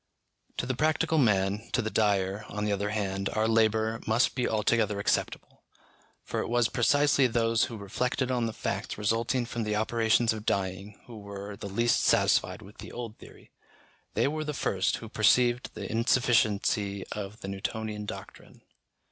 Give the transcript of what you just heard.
To the practical man, to the dyer, on the other hand, our labour must be altogether acceptable; for it was precisely those who reflected on the facts resulting from the operations of dyeing who were the least satisfied with the old theory: they were the first who perceived the insufficiency of the Newtonian doctrine.